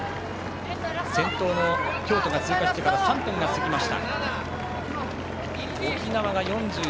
先頭の京都が通過してから３分が過ぎました。